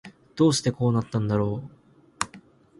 どうしてこうなったんだろう